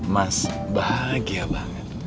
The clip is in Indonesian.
mas bahagia banget